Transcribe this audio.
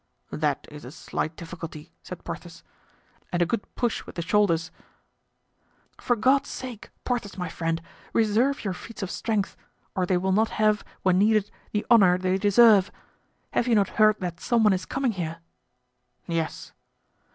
"That is a slight difficulty," said Porthos, "and a good push with the shoulders——" "For God's sake, Porthos my friend, reserve your feats of strength, or they will not have, when needed, the honor they deserve. Have you not heard that some one is coming here?" "Yes."